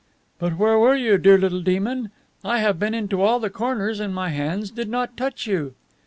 "But where were you, dear little demon? I have been into all the corners, and my hands did not touch you."